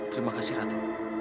terima kasih ratu